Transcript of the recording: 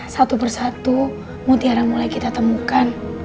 satu persatu mutiara mulai kita temukan